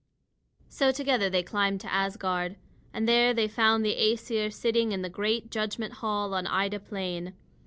So together they climbed to Asgard, and there they found the Æsir sitting in the great judgment hall on Ida Plain.